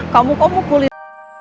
kamu komuk mulut